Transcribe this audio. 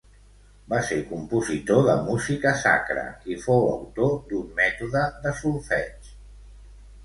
Va ser compositor de música sacra i fou autor d'un mètode de solfeig.